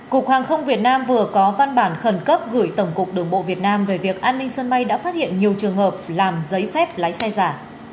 cục hàng không việt nam vừa có văn bản khẩn cấp gửi tổng cục đường bộ việt nam về việc an ninh sân bay đã phát hiện nhiều trường hợp làm giấy phép lái xe giả